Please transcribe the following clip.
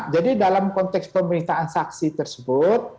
jadi dalam konteks pemerintahan saksi tersebut